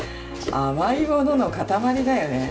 甘いものの塊だよね。